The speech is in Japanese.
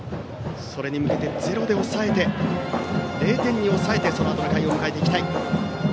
それに向けてゼロで抑えて０点に抑えてそのあとの回を迎えていきたい。